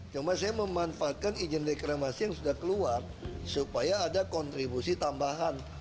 cuma saya memanfaatkan izin reklamasi yang sudah keluar supaya ada kontribusi tambahan